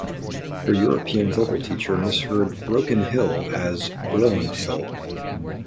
Her European vocal teacher misheard "Broken Hill" as "Bro-n-hill".